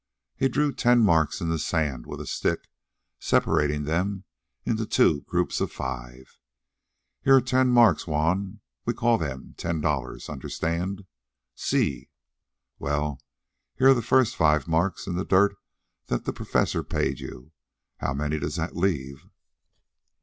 He drew ten marks in the sand with a stick, separating them into two groups of five. "Here are ten marks, Juan. We'll call them ten dollars. Understand?" "Si." "Well, here are the first five marks in the dirt that the Professor paid you. How many does that leave?"